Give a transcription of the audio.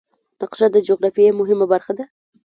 نقشه د جغرافیې مهمه برخه ده.